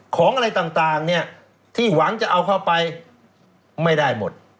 ของอะไรต่างเนี่ยที่หวังจะเอาเข้าไปไม่ได้หมด